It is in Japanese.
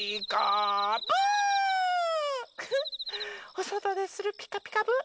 おそとでする「ピカピカブ！」